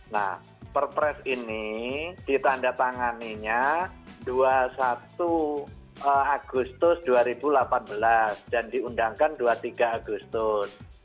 nah perpres ini ditanda tanganinya dua puluh satu agustus dua ribu delapan belas dan diundangkan dua puluh tiga agustus